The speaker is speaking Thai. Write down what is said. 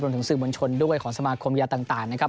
ถึงสื่อมวลชนด้วยของสมาคมยาต่างนะครับ